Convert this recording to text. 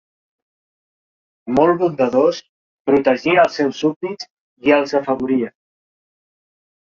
Molt bondadós, protegia els seus súbdits i els afavoria.